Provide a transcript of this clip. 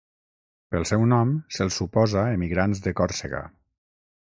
Pel seu nom se'ls suposa emigrants de Còrsega.